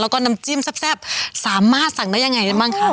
แล้วก็น้ำจิ้มแซ่บสามารถสั่งได้ยังไงได้บ้างคะ